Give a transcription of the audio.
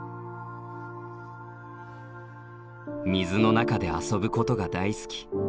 水の中で遊ぶことが大好き。